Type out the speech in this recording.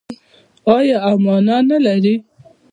آیا او مانا نلري؟